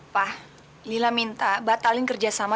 pak lila minta batalin kerjasama